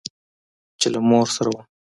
چې له مور سره وم.